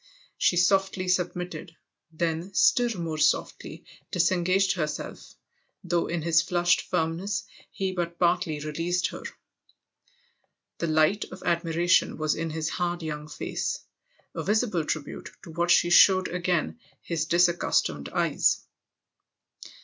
She softly submitted, then still more softly dis engaged herself, though in his flushed firmness he but partly released her. The light of admiration was in his hard young face a visible tribute to what she showed again his disaccustomed eyes.